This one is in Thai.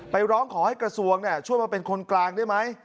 ร้องขอให้กระทรวงช่วยมาเป็นคนกลางได้ไหม